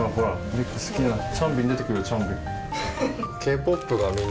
立空好きなチャンビン出てくるよチャンビン。